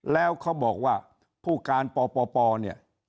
แล้วเขาบอกว่าผู้การปปเนี่ย